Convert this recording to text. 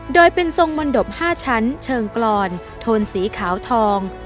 โดยเป็นทรงมนตบ๕ชั้นเชิงกรอนโทนสีขาวทอง